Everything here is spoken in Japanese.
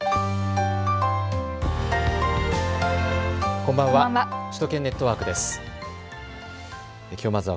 こんばんは。